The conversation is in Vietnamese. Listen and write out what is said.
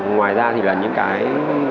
ngoài ra thì là những cái